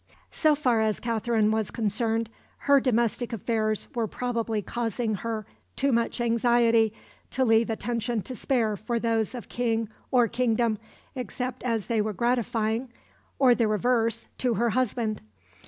So far as Katherine was concerned, her domestic affairs were probably causing her too much anxiety to leave attention to spare for those of King or kingdom, except as they were gratifying, or the reverse, to her husband.